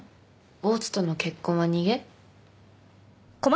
大津との結婚は逃げ？